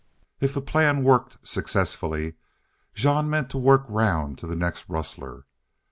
If the plan worked successfully, Jean meant to work round to the next rustler.